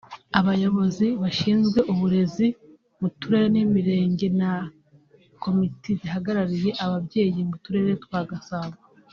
abayobozi bashinzwe uburezi mu turere n’imirenge na komite zihagarariye ababyeyi mu turere twa Gasabo